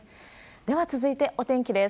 では続いて、お天気です。